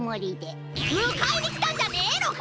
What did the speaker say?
むかえにきたんじゃねえのか！？